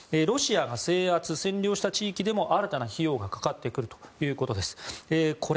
ロシアが制圧、占領した地域でも新たな費用がかかってくるということです。